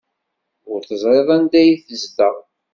Ur teẓriḍ anda ay tezdeɣ?